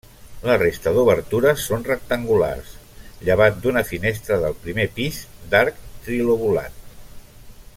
La resta d'obertures són rectangulars, llevat d'una finestra del primer pis, d'arc trilobulat.